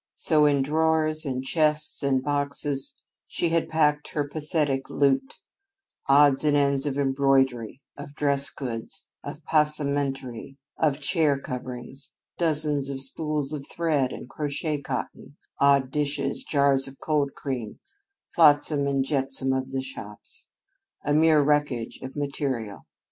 So in drawers and chests and boxes she had packed her pathetic loot odds and ends of embroidery, of dress goods, of passementerie, of chair coverings; dozens of spools of thread and crochet cotton; odd dishes; jars of cold cream; flotsam and jetsam of the shops, a mere wreckage of material.